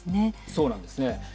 そうなんですね。